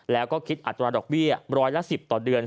แล้วก็คิดอัตราดอกเบี้ยร้อยละ๑๐ต่อเดือน